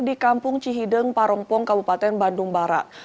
di kampung cihideng parongpong kabupaten bandung barat